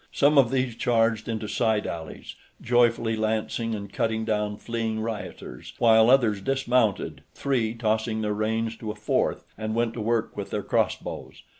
Some of these charged into side alleys, joyfully lancing and cutting down fleeing rioters, while others dismounted, three tossing their reins to a fourth, and went to work with their crossbows.